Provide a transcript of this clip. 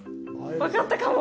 分かったかも。